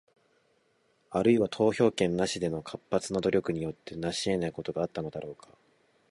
あるいは、投票権なしでの活発な努力によって成し得ないことがあったのだろうか？